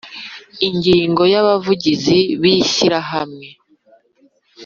Ingingo ya abavugizi b ishyirahamwe